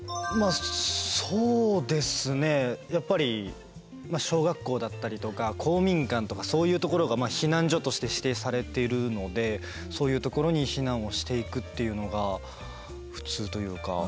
そうですねやっぱり小学校だったりとか公民館とかそういうところが避難所として指定されているのでそういうところに避難をしていくっていうのが普通というか。